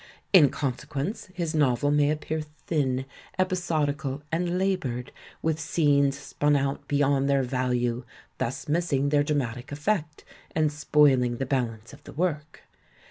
In consequence, his novel may appear thin, episodical and laboured, with scenes spun out beyond their value, thus missing their dramatic effect and spoiling the balance of the work.